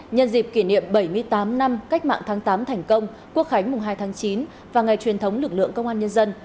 nhân dịp kỷ niệm bảy mươi tám năm cách mạng tháng tám thành công quốc khánh mùng hai tháng chín và ngày truyền thống lực lượng công an nhân dân